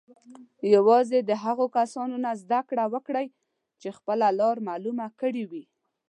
یوازې د هغو کسانو نه زده کړه وکړئ چې خپله لاره معلومه کړې وي.